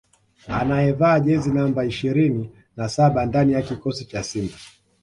anayevaa jezi namba ishirini na saba ndani ya kikosi cha Simba